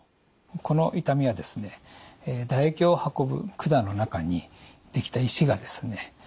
この痛みは唾液を運ぶ管の中にできた石がですね